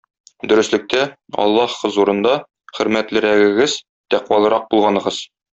Дөреслектә, Аллаһ хозурында хөрмәтлерәгегез - тәкъвалырак булганыгыз.